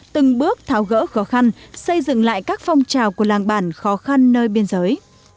từng bước tháo gỡ khó khăn xây dựng lại các phong trào của làng bản khó khăn nơi biên giới